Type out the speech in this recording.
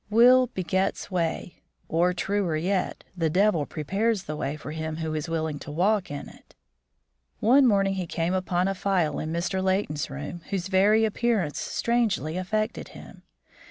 Will begets way, or, truer yet, the devil prepares the way for him who is willing to walk in it. One morning he came upon a phial in Mr. Leighton's room whose very appearance strangely affected him.